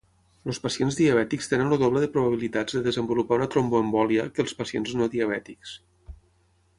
Els pacients diabètics tenen el doble de probabilitats de desenvolupar una tromboembòlia que els pacients no diabètics.